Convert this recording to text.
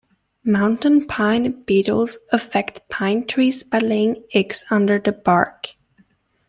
Mountain pine beetles affect pine trees by laying eggs under the bark.